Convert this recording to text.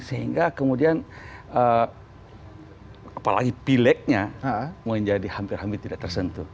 sehingga kemudian apalagi pileknya menjadi hampir hampir tidak tersentuh